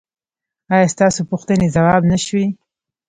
ایا ستاسو پوښتنې ځواب نه شوې؟